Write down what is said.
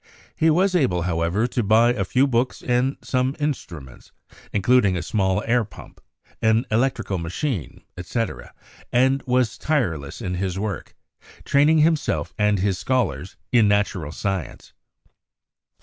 He was able, however, to buy a few books and some instruments, including a small air pump, an electrical machine, etc., and was tireless in his work, training himself and his scholars in natural science.